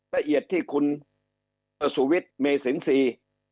รายละเอียดที่คุณสุวิทธิ์เมสิงษี